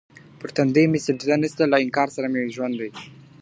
پر تندي مي سجده نسته له انکار سره مي ژوند دی .